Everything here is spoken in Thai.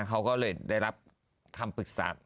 เขาก็เลยได้รับคำปรึกษา